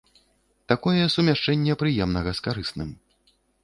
Такое сумяшчэнне прыемнага з карысным.